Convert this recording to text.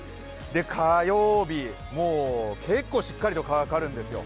火曜日、もう結構しっかりとかかるんですよ。